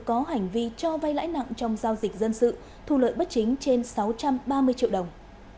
có hành vi cho vay lãi nặng trong giao dịch dân sự thu lợi bất chính trên sáu trăm ba mươi triệu đồng